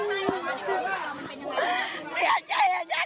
ลุกไหวไหมลุกไหวไหม